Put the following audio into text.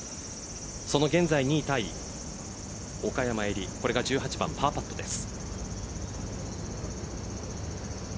その現在２位タイ岡山絵里これが１８番パーパットです。